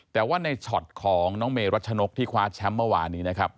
แต่ว่าในช็อตของน้องเมรัชนกที่คว้าแชมป์เมื่อวานนี้นะครับ